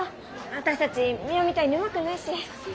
私たちミワみたいにうまくないし。